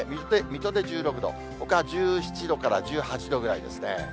水戸で１６度、ほかは１７度から１８度ぐらいですね。